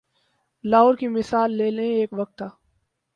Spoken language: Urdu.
لاہور کی مثال لے لیں، ایک وقت تھا۔